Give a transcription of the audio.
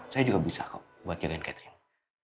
saya juga bisa kok buat jagain catherine